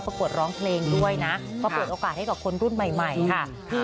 ประกวดร้องเพลงด้วยนะว่าคนรุ่นใหม่ค่ะ